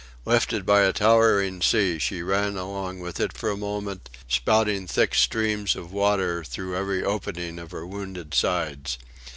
Lifted by a towering sea she ran along with it for a moment, spouting thick streams of water through every opening of her wounded sides.